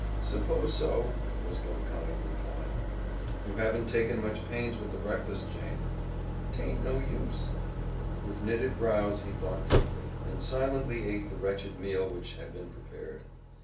"S'pose so," was the laconic reply. "You haven't taken much pains with the breakfast, Jane." "'Taint no use." With knitted brows he thought deeply, and silently ate the wretched meal which had been prepared.